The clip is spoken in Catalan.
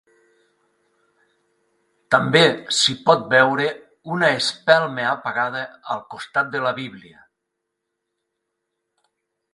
També s'hi pot veure una espelma apagada al costat de la Bíblia.